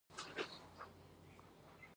جان سي ماکسویل وایي بریا په ورځنیو چارو کې ده.